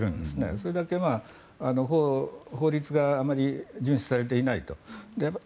それだけ法律があまり順守されていないと。